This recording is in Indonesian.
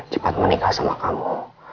cepat menikah sama kamu